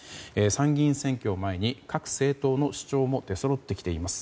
参議院選挙を前に各政党の主張も出そろってきています。